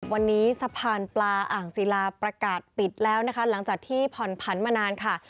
วันนี้สะพานปลาอ่างศิลาประกาศปิดแล้วนะคะหลังจากที่ผ่อนผันมานานค่ะ